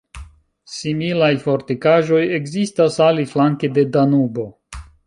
Similaj fortikaĵoj ekzistas aliflanke de Danubo.